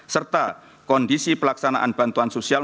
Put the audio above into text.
serta kondisi pelaksanaan bantuan sosial